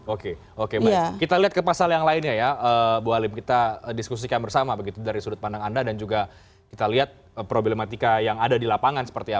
oke oke baik kita lihat ke pasal yang lainnya ya bu halim kita diskusikan bersama begitu dari sudut pandang anda dan juga kita lihat problematika yang ada di lapangan seperti apa